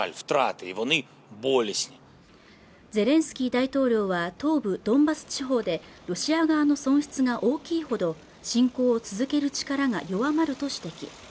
ゼレンスキー大統領は東部ドンバス地方でロシア側の損失が大きいほど侵攻を続ける力が弱まると指摘